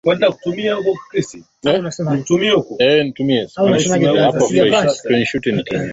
hadi mwaka elfu moja mia nane tisini nane